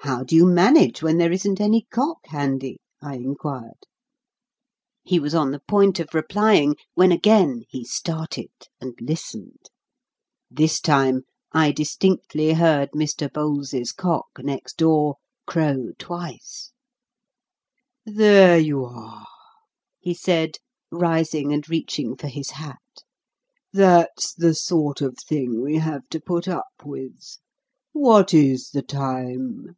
'" "How do you manage when there isn't any cock handy?" I inquired. He was on the point of replying, when again he started and listened. This time I distinctly heard Mr. Bowles's cock, next door, crow twice. "There you are," he said, rising and reaching for his hat; "that's the sort of thing we have to put up with. What IS the time?"